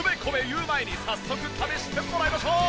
言う前に早速試してもらいましょう！